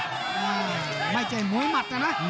ไม่ใช่มวยหมัดนะนะ